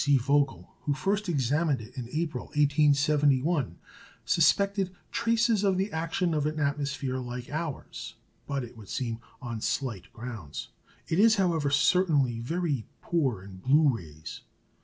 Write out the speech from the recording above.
C. Vogel, who first examined it in April, 1871, suspected traces of the action of an atmosphere like ours, but, it would seem, on slight grounds. It is, however, certainly very poor in blue rays.